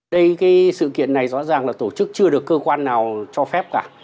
đây cái sự kiện này rõ ràng là tổ chức chưa được cơ quan nào cho phép cả